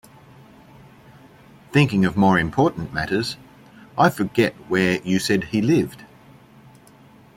Thinking of more important matters, I forget where you said he lived?